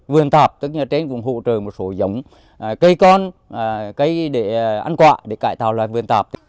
vườn tạp tất nhiên là trên vùng hộ trời một số giống cây con cây để ăn quạ để cải tạo loài vườn tạp